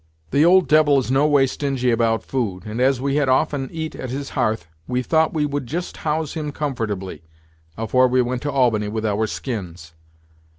The old devil is no way stingy about food, and as we had often eat at his hearth, we thought we would just house him comfortably, afore we went to Albany with our skins.